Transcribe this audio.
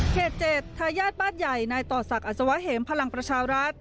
๗ทายาทบ้านใหญ่นายต่อศักดิ์อัศวะเหมพลังประชารัฐ